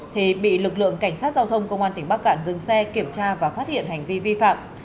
thì bị lực lượng cảnh sát giao thông công an tỉnh bắc cạn dừng xe kiểm tra và phát hiện hành vi vi phạm